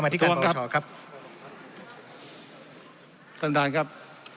ตอนนั้นครับ